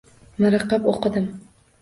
Miriqib oʻqidim